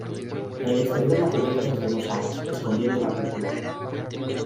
En el exterior la cubierta es de dos aguas, escondiendo la cúpula.